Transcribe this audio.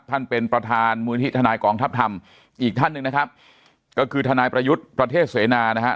ท่านเป็นประธานมุมหนึ่งที่ทนายกองทัพธรรมอีกท่านหนึ่งนะครับก็คือทนายประยุทธ์ประเทศเสนานะครับ